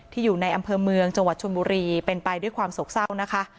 อยู่ในอำเภอเมืองจังหวัดชนบุรีเป็นไปด้วยความโศกเศร้านะคะ